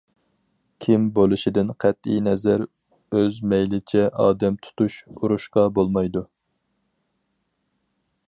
كىم بولۇشىدىن قەتئىينەزەر، ئۆز مەيلىچە ئادەم تۇتۇش، ئۇرۇشقا بولمايدۇ.